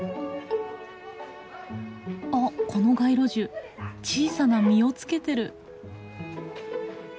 あっこの街路樹小さな実をつけてる。